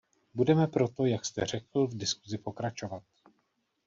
Budeme proto, jak jste řekl, v diskusi pokračovat.